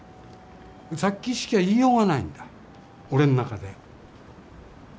殺気しか言いようがないんだ俺の中で。